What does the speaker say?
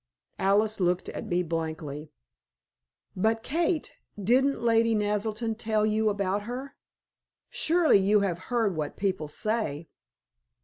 Alice looked at me blankly. "But, Kate, didn't Lady Naselton tell you about her? Surely you have heard what people say?"